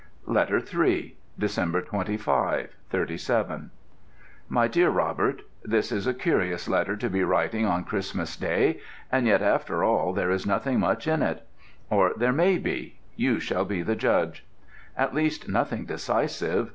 LETTER III Dec. 25, '37. MY DEAR ROBERT, This is a curious letter to be writing on Christmas Day, and yet after all there is nothing much in it. Or there may be you shall be the judge. At least, nothing decisive.